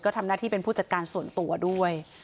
ทำหน้าที่เป็นผู้จัดการส่วนตัวด้วย